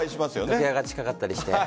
楽屋が近かったりして。